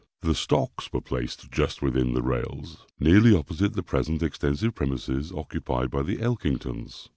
The stocks were placed just within the rails, nearly opposite the present extensive premises occupied by the Elkingtons.